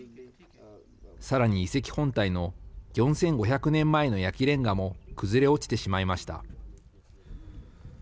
さらに遺跡本体の４５００年前の焼きれんがも崩れ落ちてしまいました。